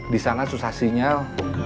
di sana susah sinyal